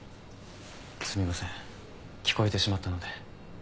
すみません聞こえてしまったので。